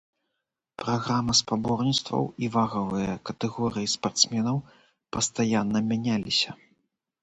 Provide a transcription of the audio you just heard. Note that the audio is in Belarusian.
Праграма спаборніцтваў і вагавыя катэгорыі спартсменаў пастаянна мяняліся.